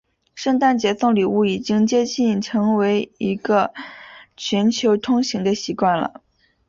圣诞节送礼物已经接近成为一个全球通行的习惯了。